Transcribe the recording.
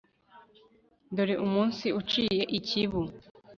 dore umunsi uciye ikibu